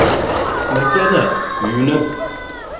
Макьана ҩным.